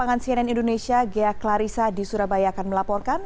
lapangan cnn indonesia ghea klarissa di surabaya akan melaporkan